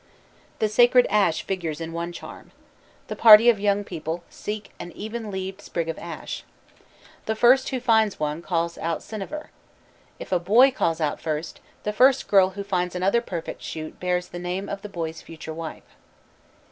The sacred ash figures in one charm. The party of young people seek an even leaved sprig of ash. The first who finds one calls out "cyniver." If a boy calls out first, the first girl who finds another perfect shoot bears the name of the boy's future wife.